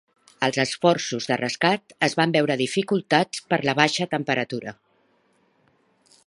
Els esforços de rescat es van veure dificultats per la baixa temperatura.